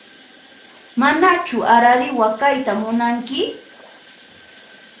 Manachu arariwa kayta munanki?